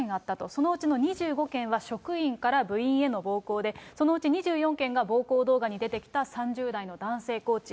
そのうちの２５件は職員から部員への暴行で、そのうち２４件が、暴行動画に出てきた３０代の男性コーチ。